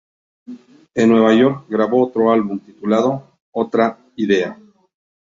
En Nueva York grabó otro álbum, titulado ""Otra Idea"".